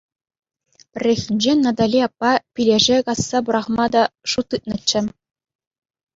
Пӗррехинче Натали аппа пилеше касса пӑрахма та шут тытнӑччӗ.